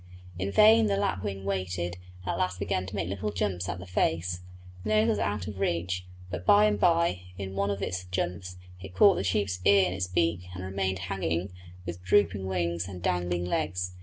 In vain the lapwing waited, and at last began to make little jumps at the face. The nose was out of reach, but by and by, in one of its jumps, it caught the sheep's ear in its beak and remained hanging with drooping wings and dangling legs.